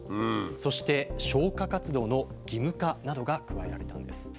そして消火活動の義務化などが加えられたんです。